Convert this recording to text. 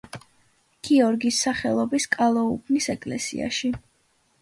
გიორგის სახელობის კალოუბნის ეკლესიაში.